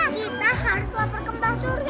kita harus lapar kembah surya